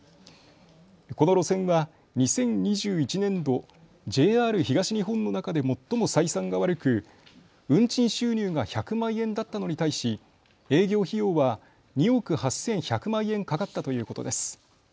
この路線は２０２１年度、ＪＲ東日本の中で最も採算が悪く運賃収入が１００万円だったのに対し営業費用は２億８１００万円かかったということです。